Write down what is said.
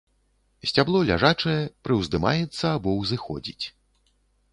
Сцябло ляжачае, прыўздымаецца або ўзыходзіць.